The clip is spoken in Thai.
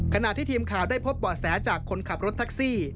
ขณะที่ทีมข่าวได้พบเบาะแสจากคนขับรถแท็กซี่